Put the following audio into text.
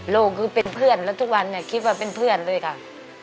ลูกคือเป็นเพื่อนแล้วทุกวันเนี่ยคิดว่าเป็นเพื่อนด้วยค่ะ